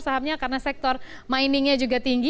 sahamnya karena sektor miningnya juga tinggi